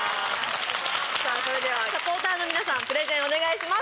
さぁそれではサポーターの皆さんプレゼンお願いします。